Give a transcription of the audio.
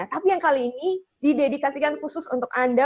tapi yang kali ini didedikasikan khusus untuk anda